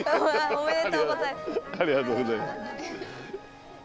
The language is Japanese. ありがとうございます。